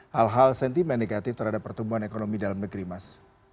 hal hal sentimen negatif terhadap pertumbuhan ekonomi dalam negeri mas